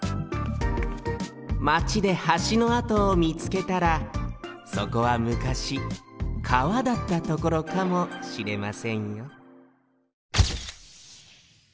マチではしのあとをみつけたらそこはむかしかわだったところかもしれませんよ